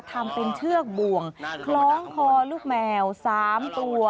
ทำเป็นเชือกบ่วงคล้องคอลูกแมว๓ตัว